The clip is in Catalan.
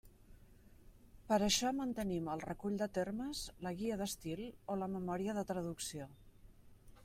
Per això mantenim el Recull de Termes, la Guia d'estil o la memòria de traducció.